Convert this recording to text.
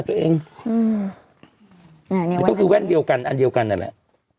ตัวเองอืมอ่ามันก็คือแว่นเดียวกันอันเดียวกันนั่นแหละ